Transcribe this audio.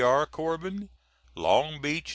R. Corbin.] Long Branch, N.